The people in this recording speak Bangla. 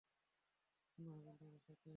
কোন হাবিলদারের সাথে?